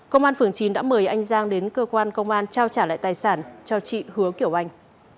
công an phường chín đã mời anh giang đến cơ quan công an trao trả lại tài sản cho chị hứa kiểu anh